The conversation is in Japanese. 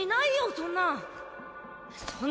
そんなん。